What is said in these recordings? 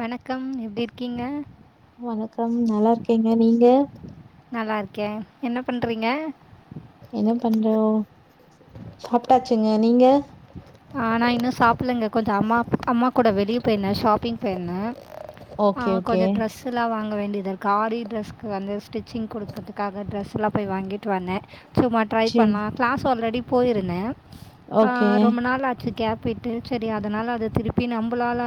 வணக்கம் எப்டிருக்கீங்க வணக்கம் நல்லாருக்கேங்க நீங்க நல்லாருக்கே என்ன பண்றீங்க என்ன பண்றோ சாப்ட்டாச்சுங்க நீங்க நானா இன்னு சாப்புலங்க கொஞ்சொ அம்மா அம்மா கூட வெளிய போய்ந்தே ஷாப்பிங் போய்ர்ந்தே ஓகே, ஓகே. ஆகொஞ்சொ ட்ரெஸ் ஸுலா வாங்க வேண்டிதுருக்கு ஆரி ட்ரெஸ்க்கு வந்து ஸ்டிச்சிங் குடுக்கற்துக்காக ட்ரெஸ்ஸெல்லா போய் வாங்கிட்டு வந்தே சும்மா ட்ரை சரி. பண்லா கிளாஸ் ஆல்ரெடி போய்ருந்தே ஆ ஓகே. ரொம்ப நா ளாச்சு கேப் விட்டு செரி அதனால அத திருப்பி நம்ளால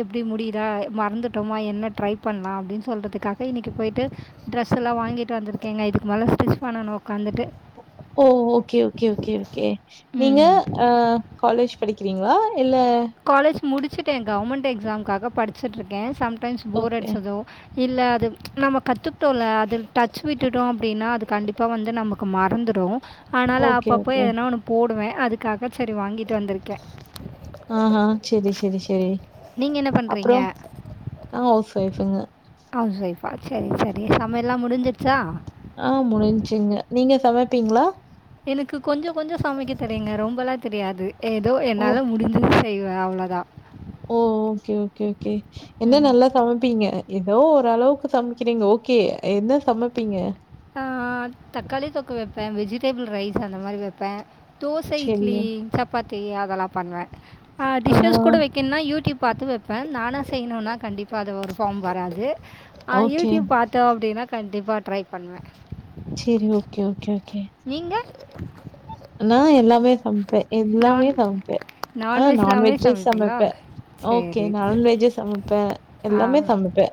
எப்டி முடிதா மறந்துட்டோமா என்ன ட்ரை பண்லா அப்டின் சொல்றதுக்காக இன்னிக்கி போய்ட்டு ட்ரெஸ்ஸுலா வாங்கிட்டு வந்திருக்கேங்க இதுக்கு மேல ஸ்டிச் பண்ணணு ஒக்காந்துட்டு ஓ ஓகே ஓகே ஓகே ஓகே நீங்க ம். அ காலேஜ் படிக்கிறீங்ளா இல்ல காலேஜ் முடிச்சுட்டே கவர்மெண்ட் எக்ஸாம்காக படிச்சுட்ருக்கே சம்டைம்ஸ் போர் ஓகே. அடிச்சதோ இல்ல அது நம்ம கத்துக்ட்டோல அது டச் விட்டுட்டோ அப்டின்னா அது கண்டி இப்ப வந்து நமக்கு மறந்துரு ஆனால ஓகே, அப்பப்ப ஓகே. எதனா ஒனு போடுவே அதுக்காக செரி வாங்கிட்டு வந்திருக்கே ஆ ஆ செரி செரி செரி நீங்க என்ன அப்றோ பண்றீங்க? ஆ ஹவுஸ் ஒய்ஃபுங்க ஹவுஸ் ஒய்ஃபா செரி செரி சமையல்லா முடிஞ்சிட்ச்சா ஆ முடிஞ்சுங்க நீங்க சமைப்பீங்ளா எனுக்கு கொஞ்சோ கொஞ்சோ சமைக்கத் தெரியுங்க ரொம்பலாத் தெரியாது ஏதோ ஓ! என்னால முடிஞ்சது செய்வே அவ்ளதா ஓ ஓகே ஓகே ஓகே என்ன ம். நல்லா சமைப்பீங்க எதோ ஒரளவுக்கு சமக்றீங்க ஓகே என்ன சமப்பீங்க ஆ தக்காளித் தொக்கு வெப்பே வெஜிடேபிள் ரைஸ் அந்த மாரி வெப்பே தோச இட்லி சரி. சப்பாத்தி அதலாப் பண்வே அ ஆஹா. டிஷ்ஷஸ் கூட வெக் கென்னா யூடியூப் பாத்து வெப்பேன் நானா செய்ணுனா கண்டிப்பா அத ஒரு ஃபார்ம் வராது அ ஓகே. யூடியூப் பாத்தோ அப்டினா கண்டிப்பா ட்ரைப் பண்வே செரி ஓகே ஓகே ஓகே நீங்க நா எல்லாமே சம்ப்பே எல்லாமே நான் சம்ப்பே ஆ நான்வெஜ் எல்லாமே நான்வெஜ்ஜு சமைப்பீங்களா சமைப்பே ஓகே சரி நலன்வெஜ்ஜூ சமைப்பே ஆ எல்லாமே சமைப்பே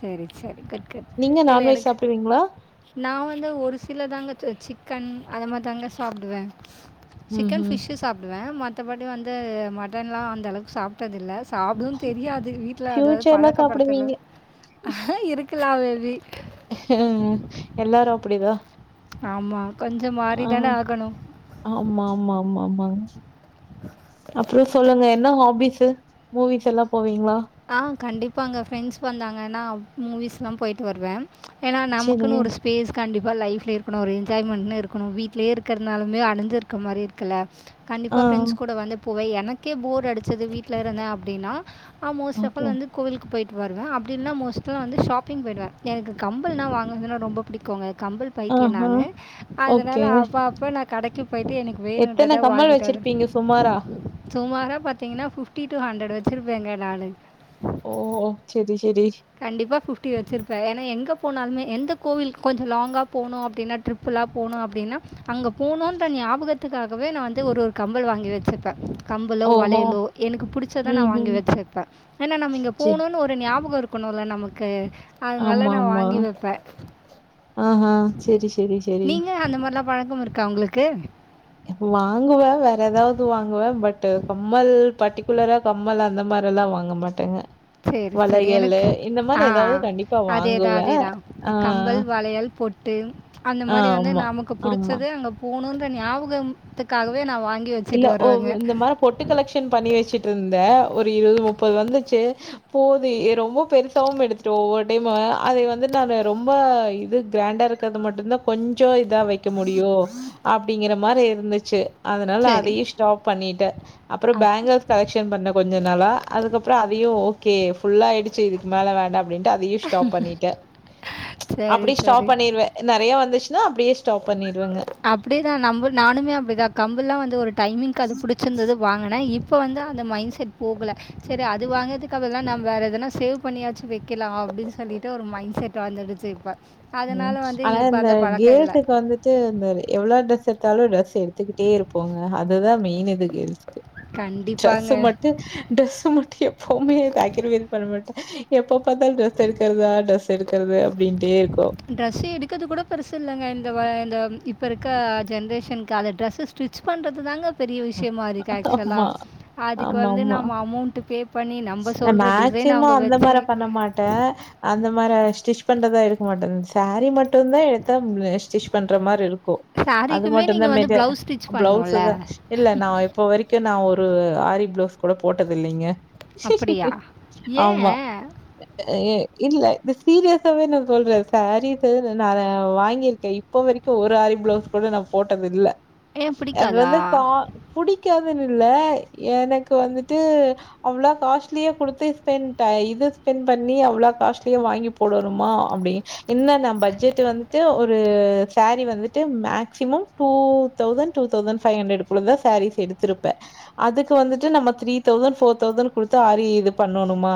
சரி சரி குட்குட் நீங்க நான்வெஜ் சாப்டுவீங்ளா நா வந்து ஒரு சிலதாங்க து சிக்கன் அந்த மார்தாங்க சாப்டுவே சிக்கன் ம்ஹ்ம். ஃபிஷு சாப்டுவே மத்தபடி வந்து மட்டன்லா அந்தளவுக்கு சாப் ட்டதில்ல சாப்டுன் தெரியாது வீட்ல அதாவ் ஃப்யூச்சர்ல பழக்கப்படுத்துல சாப்பிடுவீங்க. இருக்கலா மே பி எல்லாரு அப்டிதா ஆமா கொஞ்சோ மாரிதான ஆகணு ஆமா மா மா மாங்க அப்றோ சொல்லுங்க என்ன ஹாபிஸு மூவிஸ் எல்லா போவீங்ளா ஆ கண்டிப்பாங்க ஃப்ரெண்ட்ஸ் வந்தாங்கனா மூவிஸ்லாம் போயி்ட்டு வருவே எனா சரி. நமக்குனு ஒருச் ஃபேஸ் கண்டிப்பா லைஃப்ல இருக்குணு ஒரு என்ஜாய்மென்னு இருக்குனு வீட்லயே இருக்கற்னாலுமே அடஞ்சிருக்க மாரி இருக்கல ஆ. கண்டிப்பா ஃப்ரெண்ட்ஸ் கூட வந்து போவே எனக்கே போர் அடிச்சது வீட்ல இருந்தே அப்டினா ஆ மோஸ்ட் ஓகே. அஃப்பால் வந்து கோவிலுக்கு போயிட்டு வருவே அப்டில்னா மோஸ்ட்லா வந்து ஷாப்பிங் போய்டுவே எனக்கு கம்பல்னா வாங்னதுனா ரொம்ப புடிக்குங்க கம்பல் பைத்தியே ஆஹா. நானு அதனால ஓகே. அப்பா அப்ப நா கடைக்கு போயிட்டு எனக் எத்தன வேணுன்றத கம்மல் வாங்கிட்டாதுனு வச்சிருப்பீங்க சுமாரா? சுமாரா பாத்தீங்கனா ஃபிப்ஃட்டி டு ஹண்ட்ரட் வெச்சிருப்பேங்க நானு ஓ ஓ செரி செரி கண்டிப்பா ஃபிஃப்டி வெச்சிருப்பே எனா எங்கப் போனாலுமே எந்தக் கோவில் கொஞ்சோ லாங்கா போனு அப்டினாட் ட்ரிப்புலா போணு அப்டினா அங்கப் போனுன்ற நியாபகத்துகாகவே நா வந்து ஒரு ஒரு கம்பல் வாங்கி வெச்சுர்ப்பே கம்பலோ ஓஹோ! வளையலோ எனுக்கு புடிச்சத நா வாங்கி ம்ஹ்ம். வெச்சிருப்பே எனா நம்ம இங்க சரி. போனுன்னு ஒரு ஞாபகோ இருக் குணுல்ல நமக்கு அதனால ஆமா, நா ஆமா. வாங்கி வெப்பே ஆஹா. சரி, சரி, சரி. நீங்க அந்த மார்லாப் பழக்கமிருக்கா உங்ளுக்கு வாங்குவே வேற எதாவ்து வாங்குவே பட்டு கம்மல் பர்ட்டிக் ரெகுலரா கம்மல் அந்த மாரி எல்லா வாங்க மாட்டேங்க சேரி சேரி வளையலு எனக்கு இந்த மாரி ஆ ஏதாவது கண்டிப்பா அதேதா வாங்குவேன். அதேதா ஆ, கம்பல் வளையல் பொட்டு ட்டு அந்த ஆ மாரி வந்து ஆமா, நமக்கு ஆமா. புடிச்சது அங்க போனோன்ற ஞாபகத்துக்காகவே நா வாங்கி வெச் இல்ல ஒரு இந்த மாரோ பொட்டு கலெக்ஷன் பண்ணி வெச்சுட்டு இருந்தே ஒரு இருவது முப்பது வந்துச்சி அப்போ அது ரொம்ப பெருசாவும் எடுத்துட்டு ஒவ்வொரு டைம் அத வந்து நானு ரொம்ப இது கிராண்டா இருக் இருக்கறது மட்டும்தா கொஞ்சோ இதா வெக்க முடியு அப்டிங்கற மாரி இருந்துச்சி அதனால சரி அதையு ஸ்டாப் பண்ணிட்டே அப்றோ அப் பேங்கஸ் கலக் ஷன் பண்ண கொஞ்சோ நாளா அதுக்கப்றோ அதையு ஓகே ஃபுல்லா ஆடுச்சி இதுக்கு மேல வேண்டாம் அப்டின்னு சொல்டு அதையு ஸ்டாப் பண்ணிட்டே சரி அப்டி சரி ஸ்டாப் பண்ணிருவே நறைய வந்துச்சுன்னா அப்டியே ஸ்டாப் பண்ணிடுவைங்க அப்டிதா நம்ப நானுமே அப்டிதா கம்பள்லா வந்து ஒரு டைமிங்க்கு அது புடிச்சிருந்தது வாங்குனே இப் இப்போ வந்து அந்த மைண்ட் செட் போகல செரி அது வாங்கறதுக்காகல்லா நம்ப வேற எதனா சேவ் பண்ணியாச்சி வெக்கலா அப்டின்னு சொல்லிட்டு ஒரு மைண்ட் செட் வா வந்துடுச்சி இப்போ ம் அதனால் வந்து ஆனா இப்போ இந்த அந்த பழக்கம் இல்லை கேல்ஸ்சாக்கு வந்து து இந்த இது எவ்ளோ டிரஸ் எடுத்தாலு டிரஸ் எடுத்துக்கிட்டே இருப்போங்க அதுதா மெயின் இது கேர்ள்ஸ்சுக்கு டிரஸு கண்டிப்பாங்க மட்டு டிரஸ்ஸ மட்டு எப்பவுமே சக்ரிஃபைஸ் பண்ண மாட்டே எப்ப பாத்தா டிரெஸ் எடுக்கறதா டிரஸ் எடு எடுக்கறது அப்டின்டே இருக்கு ட்ரெஸ்ஸ எடுக்கறது கூட பெருசு இல்லங்க இந்த இந்த இப்போ இருக்க ஜென்ரேஷனுக்கு அந்த ட்ரெஸ்ஸ ஸ்டிச் பண்றதுதாங்க பெரிய விஷயமா இருக்கு ஆக்சுவலா ஆமா, அதுக்கு வந்து நம்ம அமௌண்ட் பே பண்ணி நம்ப நா மேக்சிமம்மா அந்த மாரி பண்ண மாட்டே அந்த மாரி ஸ்டிச் பண்றதா எடுக்க மாட்ட சாரீ மட் மட்டு்தா எடுத்த ஸ்டிச் பண்ற மாரி இருக்கு அது ஸாரீக்குமே மட்டு தா நீங்கள் வந்து மெஜா ப்ளவுஸ் ஸ்டிச் பண்ணணும்ல பிளவுஸுதா இல்ல நா இப்போ வரைக்கு நா ஒரு ஆரி பிளவுஸ் கூட போட்டது இல்லைங்க அப்படியா ஆமா ஏன் அ இல்ல இது சீரியஸாவே நா சொல்றே சாரீஸ்து வாங்கி இருக்கே இப்போ வரைக்கு ஒரு ஆரி பிளவுஸ் கூட நா போட்டது இல்ல ஏன் அது பிடிக்காதா வந்து கா புடிக்காதுன்னு இல்ல எனக்கு வந்துட்டு அவ்ளா காஸ்ட்லியா குடுத்து ஸ்பெண்ட் இது ஸ்பெண்ட் பண்ணி அவ்ளா காஸ்ட்லியா வாங்கி போடனுமா அப்டி என்ன நான் பட்ஜெட் வந்துட்டு ஒரு சாரீ வந்துட்டு maximum two thousand two thousand five ஹண்ட்ரட்க்குள்ள தா சாரீஸ் எடுத்திருப்ப அதுக்கு வந்துட்டு நம்ம த்ரீ தௌசண்ட் ஃபோர் தௌசண்ட் குடுத்து ஆரி இது பண்ணனுமா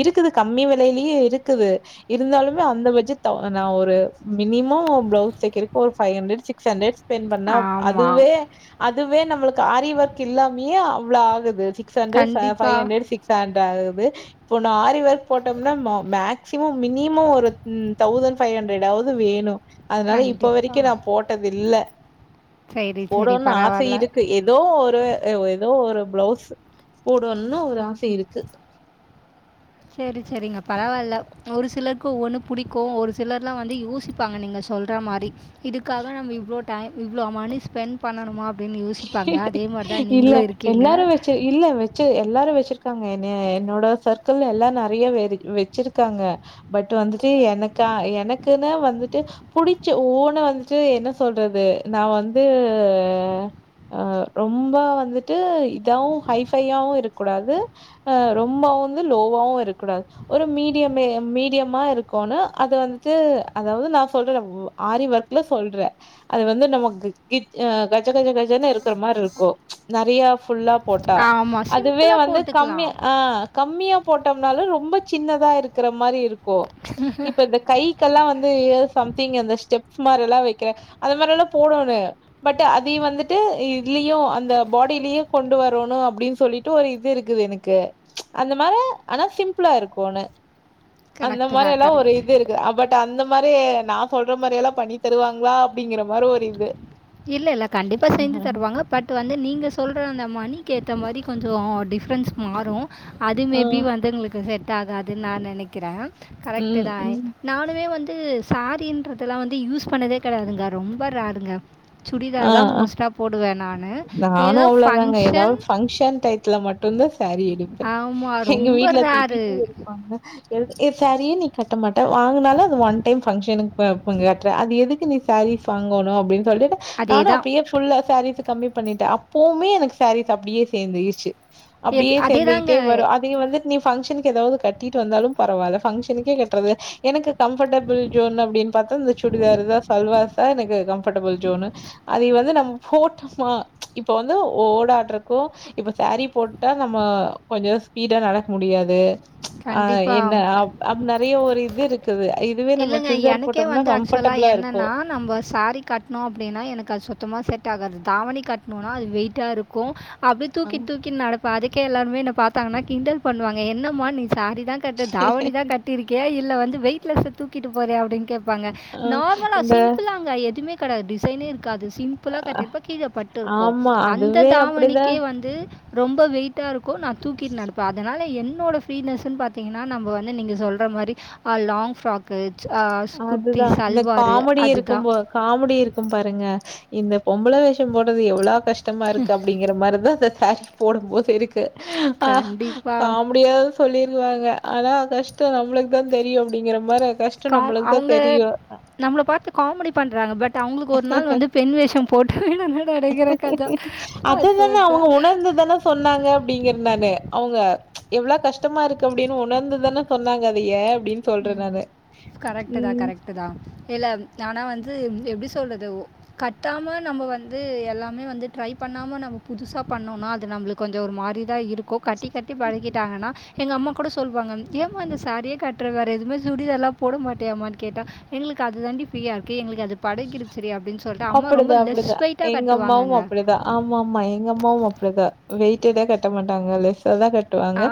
இருக்குது கம்மி விலையிலயு இருக்குது இருந்தாலுமே அந்த பட்ஜெட்தா நா ஒரு மினிமம் பிளவுஸ் தெக்கறதுக்கு ஒரு five hundred six hundred design பண்ணா ஆமாம் அதுவே அதுவே நம்மளுக்கு ஆரிஓவர்க் இல்லாமையே அவ்ளோ ஆகுது சிக்ஸ் ஹண்ட்ரட் ஃபை கண்டிப்பாக ஃபைவ் சிக்ஸ் ஹண்ட்ரட் ஆகுது இப்ப நா ஆரி ஒர்க் போட்டோம்னா மேக் மேக்சிமம் மினிமோ ஒரு தௌசண்ட் ஃபைவ் ஹண்ட்ரட் ஆவது வேணு அதனால இப்ப வரைக்கு கண்டிப்பாக நான் போட்டது இல்ல சரி சரி போடனுன்னு ஆச பரவாயில்ல க்கு ஏதோ ஒரு ஏதோ ஒரு பிளவுஸ் போடனு ஒரு ஆச இருக்கு சேரி சேரிங்க பரவால்ல ஒரு சிலருக்கு ஒவ்வேன்னு புடிக்கு ஒரு சிலர்லா வந்து யோசிப் பாங்க நீங்க சொல்ற மாரி இதுக்காக நம்ம இவ்ளோ டைம் இவ்ளோ மணி ஸ்பெண்ட் பண்ணணுமா அப்டின்னு யோசிப்பாங்க அதே மாரிதா நீங்களு இருக்கீங்க ச்சி எல்லாரு வெச்சிருக்காங்க என்ன என்னோட சர்க்கிள் எல்லா நெறைய வெச்சிருக்காங்க பட் வந்துட்டு எனக்கா எனக்குனு வந்துட்டு புடிச்ச ஓன்னு வந்துட்டு என்ன சொல்றது நான் வந்து அ ரொம்ப வந்துட்டு இதாவு ஹைஃபையாவு இருக்கூடாது அ ரொம்பா வந்து லோவாவு இருக்கூடாது ஒரு மீடியமே மீடியமா இருக்குனு அது வந்துட்டு அதாவ்து நான் சொல்லுறமு ஆரி ஒர்க்ல சொல்ற அது வந்து நமக்கு கிச் அ கச்ச கஜ க ஜன் இருக்கிற மாருக்கு நெறையா ஃபுல்லா போட்டா ஆமாம் அதுவே சிம்பிளாக வந்து கம்மி போட்டுக்கலாம் ஆ கம்மியா போட்டோம்னாலு ரொம்ப சின்னதா இருக்கிற மாரி இருக்கு இப்ப இந்த கைக்கெல்லா வந்து சம்திங் அந்த ஸ்டெப் மாரிலா வைக்க அந்த மாரிலா போடுனுனு பட் அதையு வந்துட்டு இதுலியு அந்த பாடிலியு கொண்டு வ ரணு அப்டின் சொல்லிட்டு ஒரு இது இருக்குது எனக்கு அந்த மாரி ஆனா சிம்புளா இருக்குனு அந்த கரெக்டு தான் மாரியெல்லா ஒரு கரெக்ட் இது இரு க்கு பட் அந்த மாரி நான் சொல்ற மாரியெல்லா பண்ணி தருவாங்ளா அப்டிங்கிற மாரி ஒரு இது இல்ல இல்ல கண்டிப்பா செஞ்சு தருவாங்க பட் வந்து நீங்க சொல்ற அந்த மணிக் ஏத்த மாரி கொஞ்சோ டிஃப்ரென்ஸ் மாறு அது ஆ மேபி வந்து உங்ளுக்கு செட் ஆகாதுன் நான் நெனைக்கிற ம் கரெக்ட்டுதா ம் நானுமே வந்து சாரின்றதுலா வந்து யூஸ் பண்ணதே கெடையாதுங்க ரொம்ப ரேருங்க ஆ, சுடிதார்தா ஆ. மோஸ்ட்டா போடுவ நானு எதோ பங்க்ஷன் பங்க்ஷன் டைத்துல மட் டு்ந்தா சாரி எடுப்ப ஆமாம் எங்க ரொம்ப வீட்ல ரேரு திட்டிட்டே இருப்பாங்க எடுத்து ஏ சாரியே நீ கட்ட மாட்ட வாங்குனாலு அது ஒன் டைம் ஃபங்க்ஷனு தா எப்போ கெட்ற அது எதுக்கு நீ சாரீஸ் வாங்கணு அப்டின் சொல்லிட்டு அதே நானு தான் அப்பயே ஃபுல்லா சாரீஸு கம்மி பண்ணிட்ட அப்பவுமே எனக்கு சாரீஸ் அப்டியே சேர்ந்துரிச்சு எது அப்புடியே அதே தாங்க சேந்துகிட்டே வரு அ ப்டியே வந்துட் நீ பங்க்ஷனுக்கு ஏதாவ்து கட்டிட்டு வந்தாலு பரவால்ல ஃபங்ஷனுக்கே கெட்றது எனக்கு கம்ஃபடபுள் ஜோன் அப்டின் பாத்தா இந்த சுடிதாருதா சல்வாஸ்தா எனக்கு கம்ஃபடபுள் ஜோனு அது வந்து நம்ம போட்டோமா இப்ப வந்து ஓடாற்றக்கு இப்ப சாரீ போட்டா நம்ம கொஞ்சோ ஸ்பீடா நடக் முடியாது ஆ கண்டிப்பாக என்ன அப் அ நெறையா ஒரு இது இருக் குது இதுவே நம்ம இல்லைங்க. சுடிதார் போட்டோம்னா கம்ஃபடபுளா இருக்கு நம்ப சாரி கட்ணோ அப்டினா எனக்கு அது சுத்தமா செட் ஆகாது தாவணி கட்ணோனா அது வெய்ட்டா இரு க்கு அப்டே அ தூக்கி தூக்கி நட ப்ப அதுக்கே எல்லாருமே என்ன பாத்தாங்கனா கிண்டல் பண்ணுவாங்க என்னமா நீ சாரி தா கட்ற தாவணி தா கட்டிரு கியா இல்ல வந்து வெயிட்லெஸ்ஸ தூக்கிட்டு போறியா அப்டின் கேப்பாங்க அ நார்மலா இந்த சிம்புளா லா எதுமே கடையாது டிசைனே இருக் காது சிம்பிளா கட்டிற்ப்ப கீழ பட்டு இருக்கு ஆமா அந்த அதுவே அப்டிதான் தாவணிக்கே வந்து ரொம்ப வெய்ட்டா இருக்கு நா தூக்கிட் நடப் சோ அதுனால என்னோட ஃப்ரீனஸுன் பாத்தீங்குனா நம்ம வந்து நீங்க சொல்ற மாரி அ லாங் ஃப்ராக் கு ஆ குர்த்தி சல்வாரு அதுதா காமடி இருக்கும் பாருங்க இந்த பொம்பள வேஷம் போட்றது எவுளோ கஷ்டமா இருக்கு அப்டிங் கிற மாரிதா இந்த சாரி போடும் போது இருக்கு அ கண்டிப்பாக காமிடியா சொல்லிருவாங்க ஆனா கஷ்டோ நம்ளுக்தா தெரியு அப்டிங்கிற மாரியா கஷ் கவா அவுங்க நம்ள பாத்து காமடி பண்றாங்க பட் அவுங்களுக்கு ஒரு நாள் வந்து பெண் வேஷம் போட்டு விடுங்க அததானே அச்சோ அவுங்க உணர்ந்துதானே சொன்னாங்க அப்டிங்கற நானு அவுங்க எவ்வள கஷ்டமா இருக்கு அப்டின்னு உணர்ந்துதானே சொன்னாங்க அதயே அப்டின்னு சொல்றேன் ம் நானு கரெக்ட் தா ம் கரெக்ட் தா இல்ல ஆனா வந்து எப்டி சொல்றது கட்டாம நம்ப வந்து எல்லாமே வந்து ட்ரை பண்ணாம நம்ம புதுசா பண்ணோம்னா அது நம்மளுக் கொஞ்சோ ஒரு மாரிதா இருக்கு கட்டி கட்டி பழகிட்டாங்கன்னா எங்க அம்மா கூட சொல்வாங்க ஏமா இந்த சாரிய கட் டுற வேற எதுமே சுடிதால்லா போட மாட்டியாமான கேட்டா எங்களுக்கு அது தாண்டி ஃபீரியா இருக்கு எங்களுக் அது பழகிரிச்சி அப்டின் சொ ல்ட்டு அம்மா ரொம்ப அப்படிதா லெஸ் அப்படிதா வெய்ட்டா எங்க அம்மாவும் கட்டுவாங்கங்க அப்படிதா ஆமா ஆமா எங்க அம்மாவு அப்டிதா வெயிட் எதா கட்ட மாட்டாங்க லெஸ்ஸா தா கட் டுவாங்க ஆ.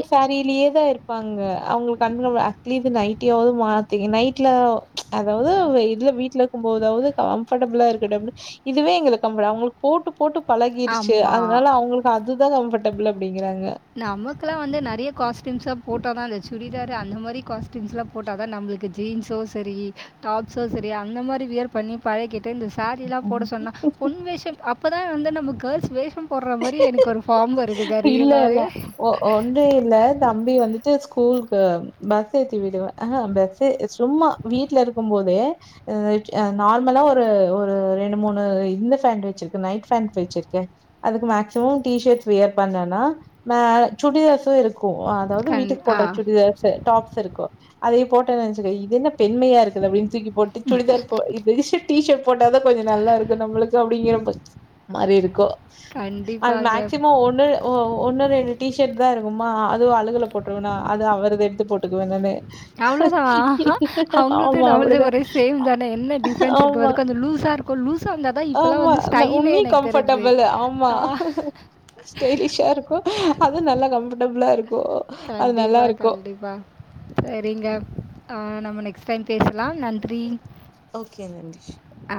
எ சாரியில ஏதா இரு ப்பாங்க அவுங்களுக்கு கண்ண அட்லீஸ்ட் நைட்டி ஆவது மாத்திங் நைட்ல அதாவது இல்ல வீட்டுல இருக்கு போதாவது க ம்ஃபர்டபுளா இருக்குடும்னு இதுவே எங்களுக் போட்டு போட்டு பழகிருச்சு ஆமா. அதனால அவுங்களுக் அதுதா கம்ஃபர்டபுள் அப்டிங்கிறாங்க நமக்குலா வந்து நெறைய காஸ்டியும்ஸ போட்டா தா இந்த சுடிதாரு அந்த மாரி காஸ்டியும்ஸ் எல்லா போட்டா தா நம்மளுக்கு ஜீன்ஸும் சரி டாப்ஸும் சரி அந்த மாரி வியர் பண்ணி பழகிரு இந்த சேரிலா போட ம். சொன்னா பொன் வேஷ அப்பதா வந்து நம்ம கேர்ள்ஸ் வேஷம் போடுற மாரி எனக்கு ஒரு ஃபார்ம் வருதுங்க இல்ல அல்ல ரியலாகவே ஒ ஒன்ற இல்ல தம்பி வந்துட்டு ஸ்கூலுக்கு பஸ் ஏத்தி விடுவ அ பஸ்ஸூ சும்மா வீட்ல இருக்குபோது ஓ ஆ அ நார்மலா ஒரு ஒரு ரெண்டு மூணு இந்த ஃபேண்ட் வச்சுருக்க நைட் ஃபேண்ட் வச்சுருக்கே அதுக்கு மேச்சும் டி ஷர்ட்ஸ் வியர் பண்ணனா ஆ சுடிதார்சு இருக்கு அதாது கண் வீட்டுக்கு ஆ போடுற சுடிதார்சு டாப்ஸ் இருக்கு அதயே போட்டே வச்சுக்கே இது என்ன பெண்மையா இருக்கு அப்டின்னு தூக்கி போட் டு சுடிதார் போ இது இஸட் டீஷர்ட் போட்டாதா கொஞ்ச நல்லா இருக்கு நம்மளுக்கு அப்டிங்கிற ம மாரி இருக்கு அது கண்டிப்பாங்க மேக் ஒன்னு ஒன்னு ரெண்டு டீஷர்ட் தா இருக்குமா அதுவு அழுகுல போட்டுருவேனா அது அவரது எடுத்து போட்டுக்கு வேணன்னு அவ்வளோதான் அவங்களுது ஆமா நம்மளுது அப்டிதா ஒரே சேம் தானே என்ன டிஃப்ரென்ஸ் இருக்குது ஆமா அது கொஞ்சம் லூஸாக இருக்கும் லூஸாக இருந்தால் தான் இப்போலாம் ஆமா வந்து நா ஸ்டைலே உன்னி எனக்கு தெரியுது கம்ஃபர்டபுள் ஆமா ஆ ஸ்டைலிஷா இருக்கு அது நல்லா கம்ஃபர்டபுளா இருக்கு கண்டிப்பா கண்டிப்பா சேரிங்க ஆ நம்ம நெக்ஸ்ட் டைம் பேசலா நன்றி ஓகே நன்றி ஆ